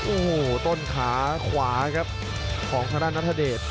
โอ้โหต้นขาขวาครับของทางด้านนัทเดช